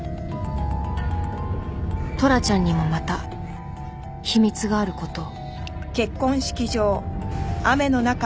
トラちゃんにもまた秘密がある事を